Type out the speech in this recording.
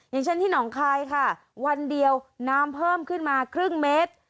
อย่างเช่นที่หนองคายค่ะวันเดียวน้ำเพิ่มขึ้นมาครึ่งเมตร